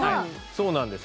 そうなんです。